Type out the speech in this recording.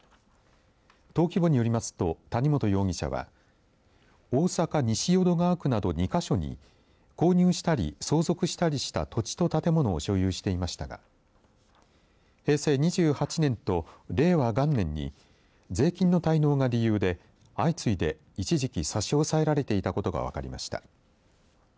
登記簿によりますと谷本容疑者は大阪、西淀川区など２か所に購入したり相続したりした土地と建物を所有していましたが平成２８年と令和元年に税金の滞納が理由で相次いで一時期差し押さえられていたことが分かりました。